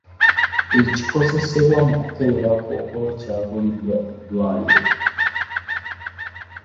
Ekikozesebwa mu kukebera kkookolo kyaguliddwa eddwaliro.